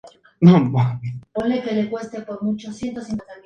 Tom agarra a Jerry, pero se electrocuta.